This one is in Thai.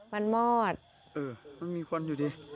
มันมอดมันมีควันอยู่ดิ